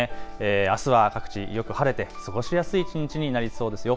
あすは各地よく晴れて過ごしやすい一日になりそうですよ。